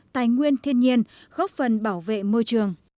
tài nguyên thiên nhiên góp phần bảo vệ môi trường